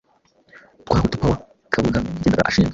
twa Hutu Power Kabuga yagendaga ashinga